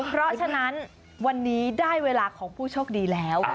เพราะฉะนั้นวันนี้ได้เวลาของผู้โชคดีแล้ว